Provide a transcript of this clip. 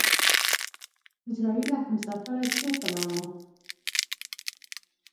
اعزرائيله همسفره چېرته لاړو؟!